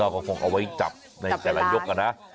ก็คงเอาไว้จับในแต่ละยกนะ